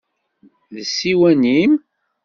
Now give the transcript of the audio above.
D ssiwan-im?